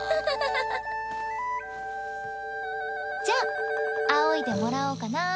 じゃああおいでもらおうかな。